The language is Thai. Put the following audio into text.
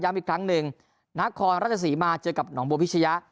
พยายามอีกครั้งหนึ่งนาคอร์รัฐศรีมาเจอกับหนองบวพิชยะ